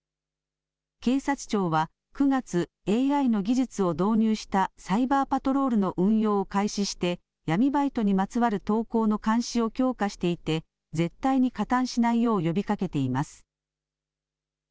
警察庁は９月、ＡＩの技術を導入したサイバーパトロールの運用を開始して闇バイトにまつわる投稿の監視を強化していて絶対に加担しないよう呼びかけています。